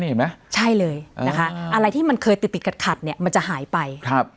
เห็นไหมใช่เลยนะคะอะไรที่มันเคยติดติดขัดขัดเนี่ยมันจะหายไปครับ